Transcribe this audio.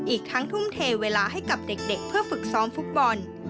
อีกทั้งทุ่มเทเวลาให้กับเด็กเพื่อฝึกซ้อมฟุตบอล